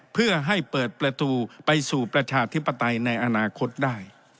เพื่อให้เปิดประตูไปสู่ประชาธิปไตยในอนาคตได้